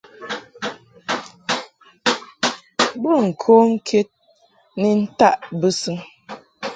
Bo ŋkom ked ni ntaʼ bɨsɨŋ.